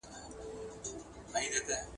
له ټولني لیري والی انسان په خيالونو کي ډوبوي.